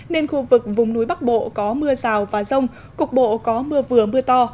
nên khu vực vùng núi bắc bộ có mưa rào và rông cục bộ có mưa vừa mưa to